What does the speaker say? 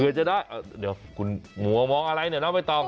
เสียจะได้คุณมองอะไรเนี่ยนะไม่ต้อง